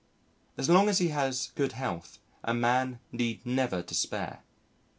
As long as he has good health, a man need never despair.